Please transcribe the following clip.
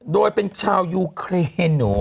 โดยเป็นชาวยูเครนู